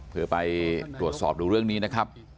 เพื่อไปตรวจสอบดูเรื่องนี้นะครับ